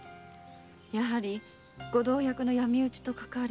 やはりご同役の闇討ちとかかわりが。